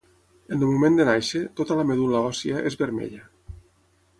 En el moment de néixer, tota la medul·la òssia és vermella.